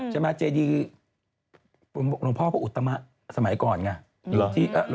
เจดีหลวงพ่อพระอุตตมะสมัยก่อนไง